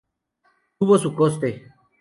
Tuvo su coste.